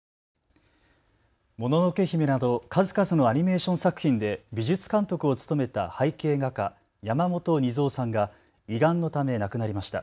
もののけ姫など数々のアニメーション作品で美術監督を務めた背景画家、山本二三さんが胃がんのため亡くなりました。